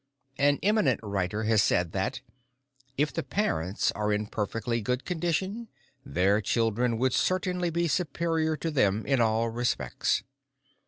An eminent writer has said that, if the parents are in perfectly good condition their children would certainly be superior to them in all respects.